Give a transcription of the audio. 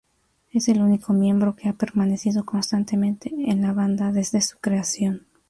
Es el único miembro que ha permanecido constantemente en la banda desde su creación.